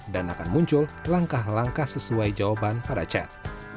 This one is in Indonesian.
dan akan muncul langkah langkah sesuai jawaban pada chat